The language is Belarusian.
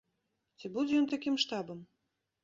Ці будзе ён такім штабам?